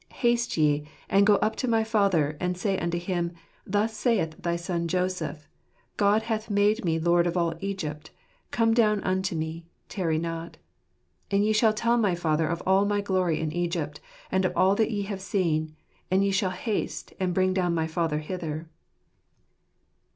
" Haste ye, and go up to my father, and say unto him : Thus saith thy son Joseph, ' God hath made me lord of all Egypt : come down unto me ; tarry not.' ... And ye shall tell my father of all my glory in Egypt, and of all that ye have seen; and ye shall haste, and bring down my father hither."